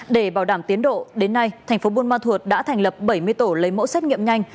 để bảo đảm tiến độ đến nay tp bunma thuột đã thành lập bảy mươi tổ lấy mẫu xét nghiệm nhanh